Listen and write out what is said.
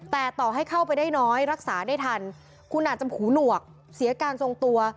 แต่ต่อให้เข้าไปได้น้อยรักษาได้ทันคุณอาจจะหูหนวกเสียการทรงตัว